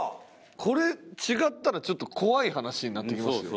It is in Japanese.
これ違ったらちょっと怖い話になってきますよ。